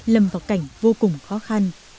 lầm vào cảnh vô cùng khó khăn